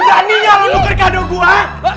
berani beraninya lo buker kado gue